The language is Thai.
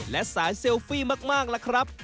และสายเซลฟี่มากล่ะครับ